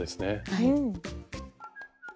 はい。